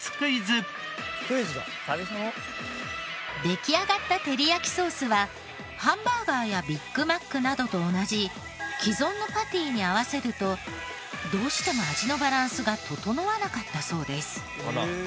出来上がったてりやきソースはハンバーガーやビッグマックなどと同じ既存のパティに合わせるとどうしても味のバランスが調わなかったそうです。